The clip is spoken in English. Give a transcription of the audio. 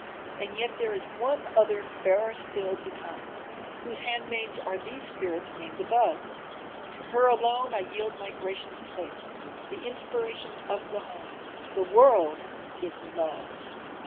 And yet there is one other fairer still to come Whose handmaids are these spirits named above; To her alone I yield my gracious place, The inspiration of the home the world is Love!"